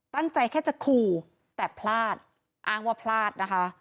ตั้งใจแค่จะขู่แต่พลาดอ้างว่าพลาดนะคะ